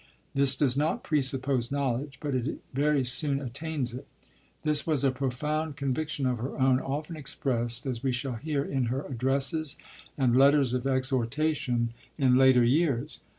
This does not presuppose knowledge, but it very soon attains it." This was a profound conviction of her own, often expressed, as we shall hear, in her Addresses and Letters of Exhortation in later years.